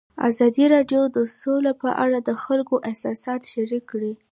ازادي راډیو د سوله په اړه د خلکو احساسات شریک کړي.